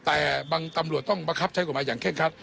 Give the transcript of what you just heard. แต่บางตำรวจต้องบังคับใช้กฎหมายอย่างเคร่งคัด